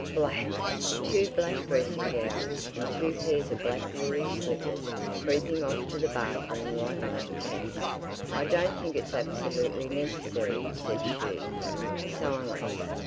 Black! Two black dressing gowns and two pairs of black woolly slippers, creeping off to the bathroom like black cats. "I don't think it's absolutely necessary," said she. Silence.